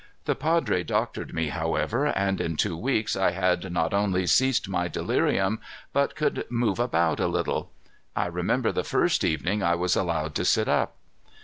The padre doctored me, however, and in two weeks I had not only ceased my delirium, but could move about a little. I remember the first evening I was allowed to sit up.